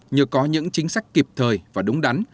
nhờ có những chính sách kịp thời và đúng đắn